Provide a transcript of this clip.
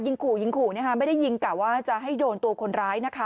ขู่ยิงขู่นะคะไม่ได้ยิงกะว่าจะให้โดนตัวคนร้ายนะคะ